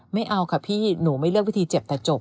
ไม่เอาค่ะพี่หนูไม่เลือกวิธีเจ็บแต่จบ